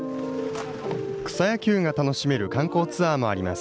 草野球が楽しめる観光ツアーもあります。